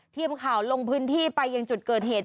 ทีมข่าวลงพื้นที่ไปยังจุดเกิดเหตุ